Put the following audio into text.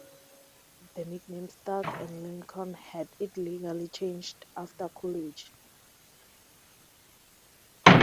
The nickname stuck, and Lincoln had it legally changed after college.